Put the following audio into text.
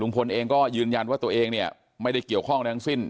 ลุงพลเองก็ยืนยันว่าตัวเองไม่ได้เกี่ยวข้องในทั้งสิ้น